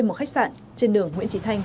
một khách sạn trên đường nguyễn trị thanh